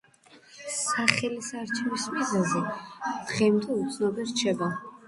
სახელის არჩევის მიზეზი დღემდე უცნობი რჩება.